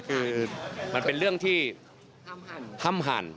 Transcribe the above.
คือมันเป็นเรื่องที่ถ้ำหั่น